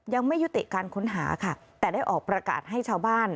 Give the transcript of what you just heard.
ยังไม่ยุติการค้นหาค่ะแต่ได้ออกประกาศให้ชาวบ้าน